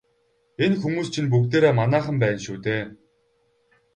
Энэ хүмүүс чинь бүгдээрээ манайхан байна шүү дээ.